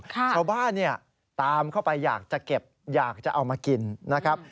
ชาวบ้านเนี่ยตามเข้าไปอยากจะเก็บอยากจะเอามากินนะครับ